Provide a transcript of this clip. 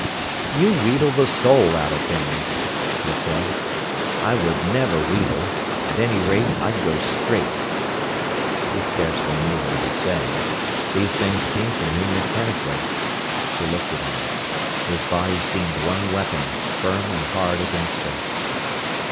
"You wheedle the soul out of things," he said. "I would never wheedle—at any rate, I'd go straight." He scarcely knew what he was saying. These things came from him mechanically. She looked at him. His body seemed one weapon, firm and hard against her.